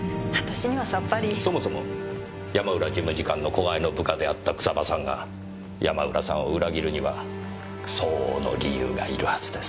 そもそも山浦事務次官の子飼いの部下であった草葉さんが山浦さんを裏切るには相応の理由がいるはずです。